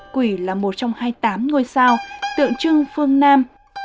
xích là một trong hai tám ngôi sao tượng trưng phương nam